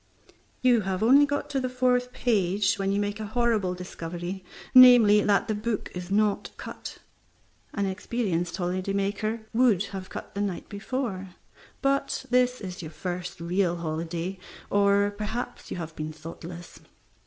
You have only got to the fourth page, when you make a horrible discovery namely, that the book is not cut. An experienced holiday maker would have had it cut the night before, but this is your first real holiday, or perhaps you have been thoughtless.